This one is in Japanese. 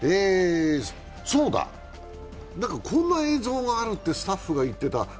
そうだ、こんな映像があるってスタッフが言ってた。